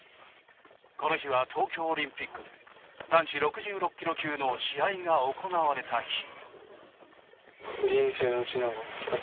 この日は東京オリンピックで男子６６キロ級の試合が行われた日。